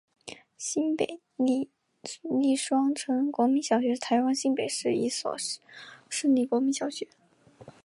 新北市立双城国民小学是台湾新北市一所市立国民小学。